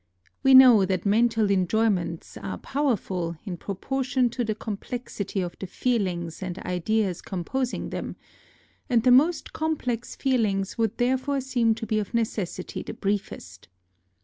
We know that mental enjoyments are power NOTES OF A TRIP TO KYOTO 59 ful in proportion to the complexity of the feelings and ideas composing them ; and the most complex feelings would therefore seem to be of necessity the briefest.